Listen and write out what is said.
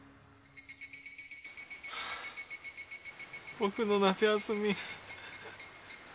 僕の夏休み。